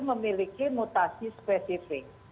memiliki mutasi spesifik